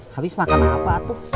habis makan apa tuh